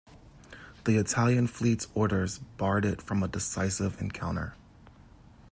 The Italian fleet's orders barred it from a decisive encounter.